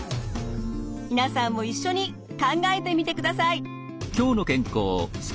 皆さんも一緒に考えてみてください。